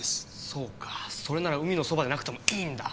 そうかそれなら海のそばでなくてもいいんだ。